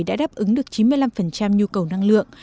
đã đáp ứng được chín mươi năm nhu cầu năng lượng